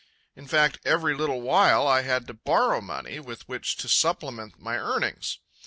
In fact, every little while I had to borrow money with which to supplement my earnings.